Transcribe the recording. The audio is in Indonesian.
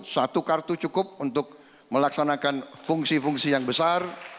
satu kartu cukup untuk melaksanakan fungsi fungsi yang besar